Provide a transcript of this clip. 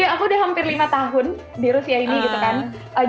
aku udah hampir lima tahun di rusia ini gitu kan